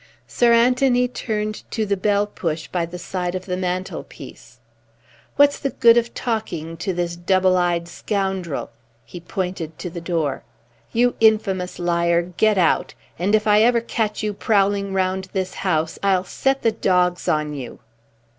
Sir Anthony turned to the bell push by the side of the mantelpiece. "What's the good of talking to this double dyed scoundrel?" He pointed to the door. "You infamous liar, get out. And if I ever catch you prowling round this house, I'll set the dogs on you."